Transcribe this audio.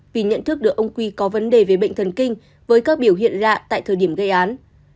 vì nhận thức được ông quy có vấn đề về bệnh thần kinh với các biểu hiện lạ tại thời điểm gây án